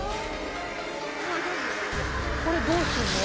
これどうすんの？